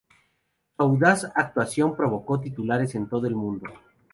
Su audaz actuación provocó titulares en todo el mundo.